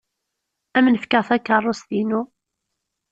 Ad m-n-fkeɣ takeṛṛust-inu.